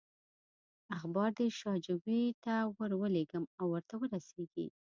اخبار دې شاجوي ته ورولېږم او ورته رسېږي.